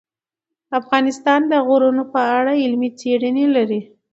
افغانستان د غرونه په اړه علمي څېړنې لري.